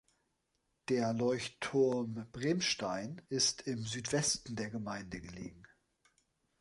Der Leuchtturm Bremstein ist im Südwesten der Gemeinde gelegen.